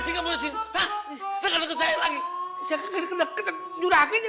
siapa yang deket deket jurakinya